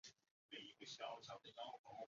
翁堡比当日人口变化图示